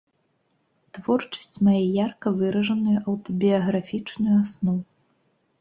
Творчасць мае ярка выражаную аўтабіяграфічную аснову.